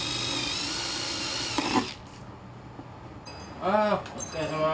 あお疲れさま。